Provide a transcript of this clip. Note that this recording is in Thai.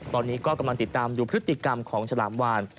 ตอนนี้ก็กำลังติดตามดูพฤติกรรมของฉลามวาน